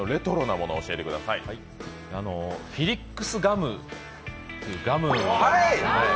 フィリックスガムというガム。